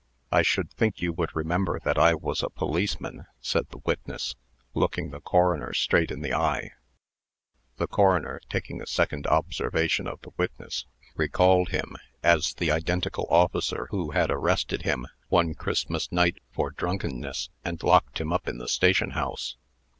"I should think you would remember that I was a policeman," said the witness, looking the coroner straight in the eye. The coroner, taking a second observation of the witness, recalled him as the identical officer who had arrested him, one Christmas night, for drunkenness, and locked him up in the station house.